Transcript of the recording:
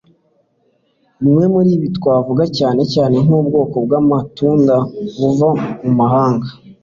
bimwe muri ibi twavuga cyane cyane nk'ubwoko bw'amatunda buva mu mahanga